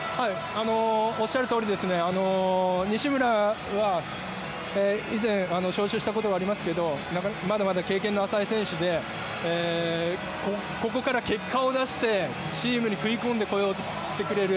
おっしゃるとおりですね西村は以前招集したことがありますがまだまだ経験の浅い選手でここから結果を出してチームに食い込んで来ようとしてくれる。